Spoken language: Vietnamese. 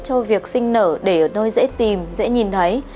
cho việc sinh nở để ở nơi dễ tìm dễ nhìn thấy